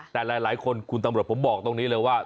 แต่หลายคนคุณตำรวจผมบอกตรงนี้เลยว่า